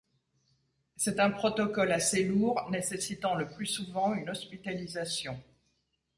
C’est un protocole assez lourd, nécessitant le plus souvent une hospitalisation.